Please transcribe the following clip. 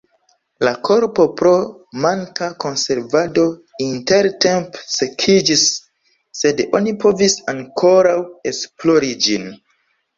La korpo pro manka konservado intertempe sekiĝis, sed oni povis ankoraŭ esplori ĝin.